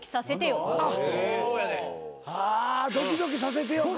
あドキドキさせてよか。